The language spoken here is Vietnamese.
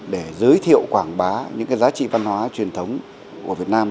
để giới thiệu quảng bá những giá trị văn hóa truyền thống của việt nam